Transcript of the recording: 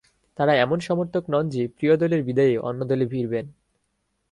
তারা এমন সমর্থক নন যে প্রিয় দলের বিদায়ে অন্য দলে ভিড়বেন।